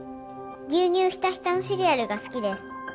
牛乳ひたひたのシリアルが好きです。